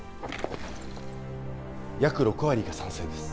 約６割が賛成です